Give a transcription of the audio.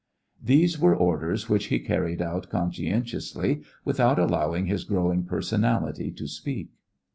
These were orders which he carried out conscientiously, without allowing his growing personality to speak.